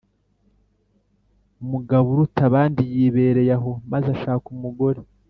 mugaburutabandi yibereye aho, maze ashaka umugore